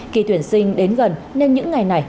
kỳ tuyển sinh đến gần nên những ngày này